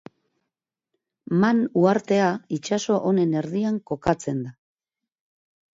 Man uhartea itsaso honen erdi-erdian kokatzen da.